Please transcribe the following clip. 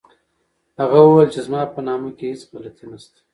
هغه وویل چي زما په نامه کي هیڅ غلطي نسته.